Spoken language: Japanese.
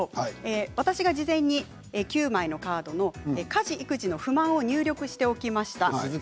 私が事前に９枚のカードに家事育児の不満を入力しておきました。